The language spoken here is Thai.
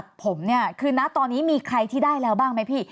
ผมเนี่ยคือนะตอนนี้มีใครที่ได้แล้วบ้างไหมพี่